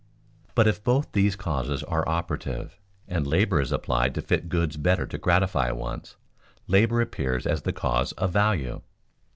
But if both these causes are operative, and labor is applied to fit goods better to gratify wants, labor appears as the cause of value.